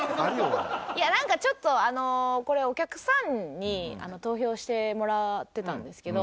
いやなんかちょっとこれお客さんに投票してもらってたんですけど。